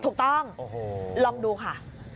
ถูกต้องลองดูค่ะ